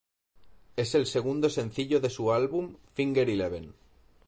Es el segundo sencillo de su álbum Finger Eleven.